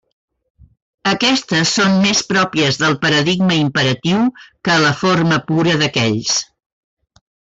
Aquestes són més pròpies del paradigma imperatiu que a la forma pura d'aquells.